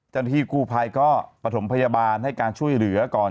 เจ้าหน้าที่กู้ภัยก็ประถมพยาบาลให้การช่วยเหลือก่อน